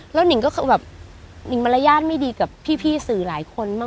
ลิ้งก็มรยาติไม่ดีกับพี่สื่อหลายคนมาก